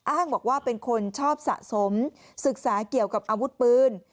อ้างบอกว่าเป็นคนชอบสะสมศึกษาเกี่ยวกับอาวุธปืน